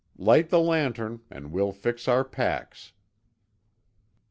Light the lantern and we'll fix our packs."